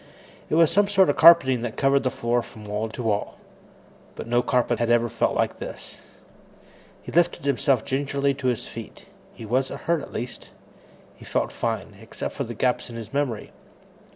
It was some sort of carpeting that covered the floor from wall to wall, but no carpet had ever felt like this. He lifted himself gingerly to his feet. He wasn't hurt, at least. He felt fine, except for the gaps in his memory.